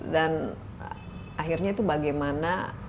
dan akhirnya tuh bagaimana